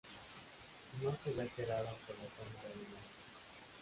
No se ve alterada por la toma de alimentos.